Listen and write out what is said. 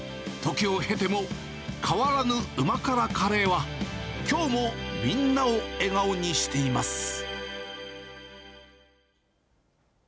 時を経ても、変わらぬうま辛カレーは、きょうもみんなを笑顔にしています。